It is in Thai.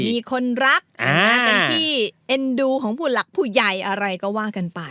มีคนรักเป็นที่เอ็นดูของผู้หลักผู้ใหญ่อะไรก็ว่ากันไป